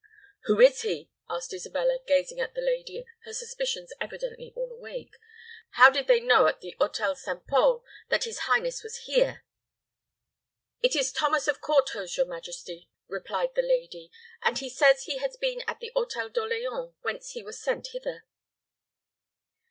"Who is he?" asked Isabella, gazing at the lady, her suspicions evidently all awake. "How did they know at the Hôtel St. Pol that his highness was here?" "It is Thomas of Courthose, your majesty," replied the lady; "and he says he has been at the Hôtel d'Orleans, whence he was sent hither."